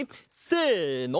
せの！